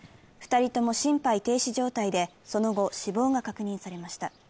２人とも心肺停止状態で、その後死亡が確認されました。